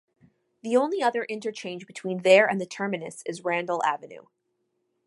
The only other interchange between there and the terminus is Randall Avenue.